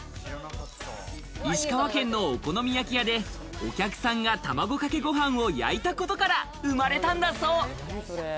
石川県のお好み焼き屋でお客さんが卵かけご飯を焼いたことから生まれたんだそう。